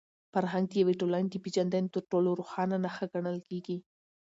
فرهنګ د یوې ټولني د پېژندني تر ټولو روښانه نښه ګڼل کېږي.